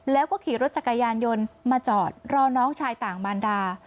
แล้วก็ขี่รถจักรยานยนต์มาจอดรอน้องชายต่างมารดา